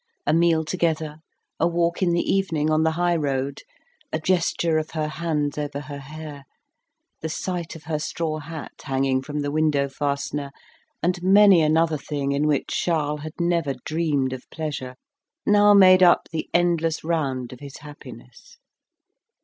A meal together, a walk in the evening on the highroad, a gesture of her hands over her hair, the sight of her straw hat hanging from the window fastener, and many another thing in which Charles had never dreamed of pleasure, now made up the endless round of his happiness.